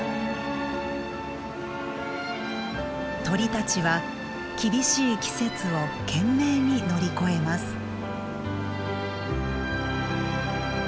鳥たちは厳しい季節を懸命に乗り越えます。